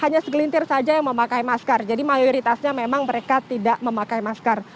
hanya segelintir saja yang memakai masker jadi mayoritasnya memang mereka tidak memakai masker